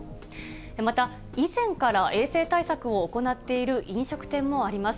また、以前から衛生対策を行っている飲食店もあります。